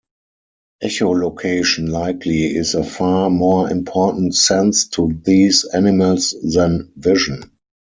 Echolocation likely is a far more important sense to these animals than vision.